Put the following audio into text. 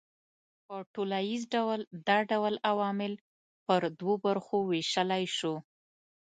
په ټوليز ډول دا ډول عوامل پر دوو برخو وېشلای سو